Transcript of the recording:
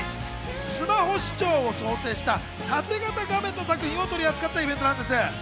スマホ視聴を想定した縦型画面の作品を取り扱ったイベントです。